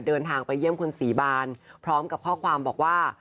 เดินทางไปเยี่ยมคุณศรีบานพร้อมกับข้อความบอกว่า